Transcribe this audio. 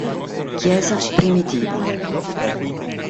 Chiesa primitiva.